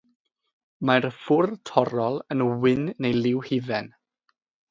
Mae'r ffwr torrol yn wyn neu liw hufen.